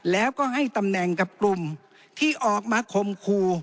แล้วก็ให้ตำแหน่งกับกลุ่มที่ออกมาคมครู